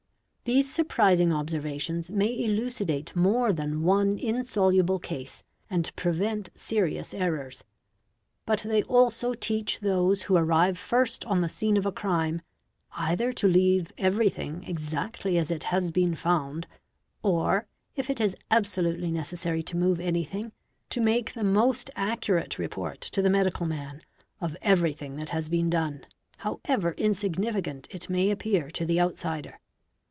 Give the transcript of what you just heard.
These surprising obser >, ations may elucidate more than one insoluble case and prevent serious errors ; but they also teach those who arrive first on the scene of a crime, aither to leave everything exactly as it has been found, or, if it is bsolutely necessary to move anything, to make the most accurate eport to the medical man of everything that has been done, however significant it may appear to the outsider.